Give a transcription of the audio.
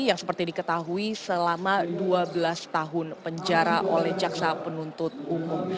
yang seperti diketahui selama dua belas tahun penjara oleh jaksa penuntut umum